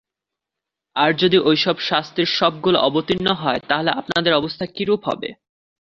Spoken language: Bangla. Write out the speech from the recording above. আর যদি ঐসব শাস্তির সবগুলো অবতীর্ণ হয় তাহলে আপনাদের অবস্থা কিরূপ হবে?